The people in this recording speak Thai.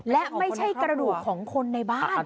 และไม่ใช่กระดูกของคนในบ้าน